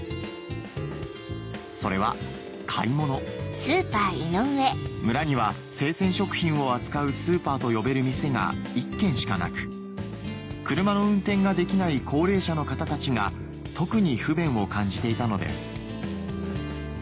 それは買い物村には生鮮食品を扱うスーパーと呼べる店が１軒しかなく車の運転ができない高齢者の方たちが特に不便を感じていたのです